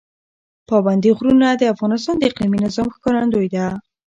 پابندی غرونه د افغانستان د اقلیمي نظام ښکارندوی ده.